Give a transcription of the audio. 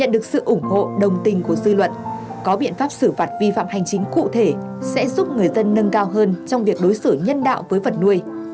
đồng tình của dư luận có biện pháp xử phạt vi phạm hành chính cụ thể sẽ giúp người dân nâng cao hơn trong việc đối xử nhân đạo với vật nuôi